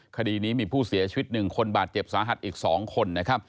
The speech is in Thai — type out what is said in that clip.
คดีนี้มีผู้เสียชีวิตหนึ่งคนบาดเจ็บสาหัสอีกสองคน